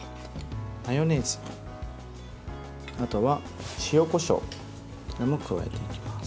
マヨネーズ、あとは塩、こしょうを加えていきます。